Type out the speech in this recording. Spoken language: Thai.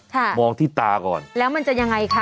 มองที่ตาก่อนแล้วมันจะยังไงคะ